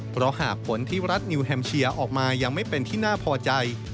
เพราะหากผลที่รัฐนิวแฮมเชียร์ออกมายังไม่เป็นที่น่าพอใจ